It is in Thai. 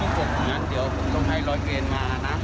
เดี๋ยวต้องให้ร้อยเกรนมานะ